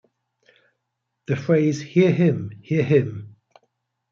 The phrase hear him, hear him!